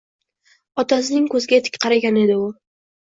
Otasining ko‘ziga tik qaragan edi u.